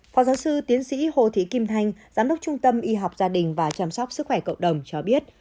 phó giáo sư tiến sĩ hồ thị kim thanh giám đốc trung tâm y học gia đình và chăm sóc sức khỏe cộng đồng cho biết